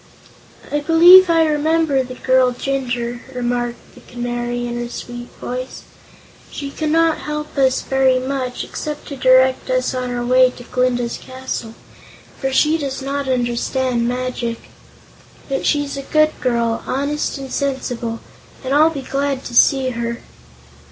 "I believe I remember the girl Jinjur," remarked the Canary, in her sweet voice. "She cannot help us very much, except to direct us on our way to Glinda's castle, for she does not understand magic. But she's a good girl, honest and sensible, and I'll be glad to see her."